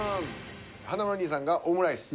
華丸兄さんが「オムライス」。